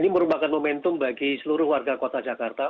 ini merupakan momentum bagi seluruh warga kota jakarta